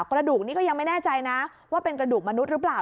กระดูกนี้ก็ยังไม่แน่ใจนะว่าเป็นกระดูกมนุษย์หรือเปล่า